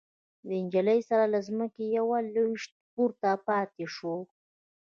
د نجلۍ سر له ځمکې يوه لوېشت پورته پاتې شو.